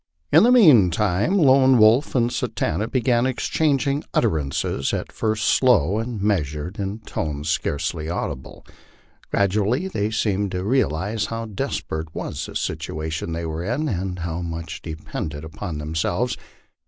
In the mean time Lone Wolf and Satanta began exchanging utterances, at first slow and measured, in tones scarcely audible. Gradually they seemed to realize how desperate was the situation they were in, and how much depended upon themselves.